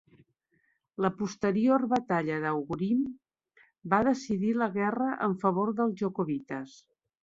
La posterior Batalla d'Aughrim va decidir la guerra en favor dels jacobites.